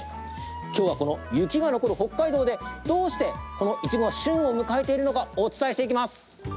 今日は、この雪が残る北海道でどうして、このイチゴが旬を迎えているのかお伝えしていきます。